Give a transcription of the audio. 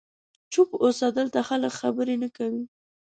چوپ اوسه، دلته خلک خبرې نه کوي.